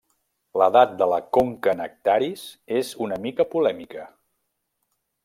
L'edat de la conca Nectaris és una mica polèmica.